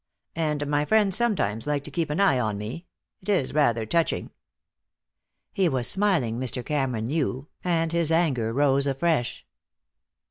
And my friends sometimes like to keep an eye on me. It is rather touching." He was smiling, Mr. Cameron knew, and his anger rose afresh.